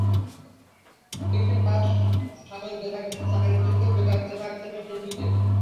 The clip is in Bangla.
ডিগ্রি পাস স্বামীর ব্র্যাকে একটা চাকরি জুটলেও বেকারই থাকতে হলো শিল্পীকে।